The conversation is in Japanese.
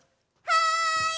はい！